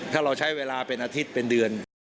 ถ้าเราใช้เวลาเป็นอาทิตย์เป็นเดือน